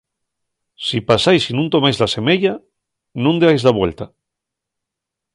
Si pasáis y nun tomáis la semeya, nun deáis la vuelta.